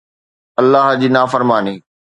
الله جي نافرماني